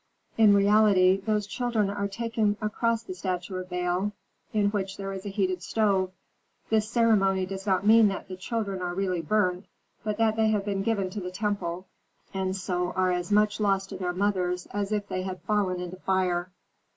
In reality, those children are taken across the statue of Baal, in which there is a heated stove. This ceremony does not mean that the children are really burnt, but that they have been given to the temple, and so are as much lost to their mothers as if they had fallen into fire.